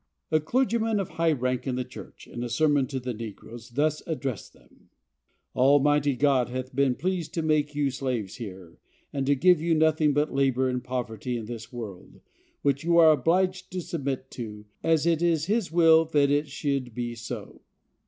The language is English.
A clergyman of high rank in the church, in a sermon to the negroes, thus addresses them: Almighty God hath been pleased to make you slaves here, and to give you nothing but labor and poverty in this world, which you are obliged to submit to, as it is his will that it should be so.